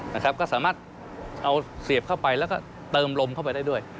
นะครับก็สามารถเอาเสียบเข้าไปแล้วก็เติมลมเข้าไปได้ด้วย